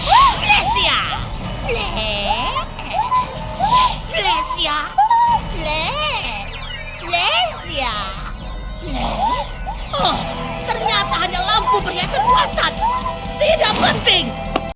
malaysia malaysia malaysia malaysia malaysia oh ternyata hanya lampu beri kekuasaan tidak penting